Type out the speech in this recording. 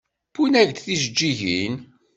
Wwin-ak-d tijeǧǧigin.